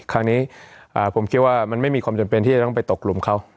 คราวนี้ผมคิดว่ามันไม่มีความจำเป็นที่จะต้องไปตกหลุมเขา